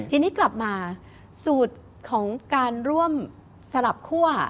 ทีนี้กลับมาสูตรของการร่วมสลับคั่ว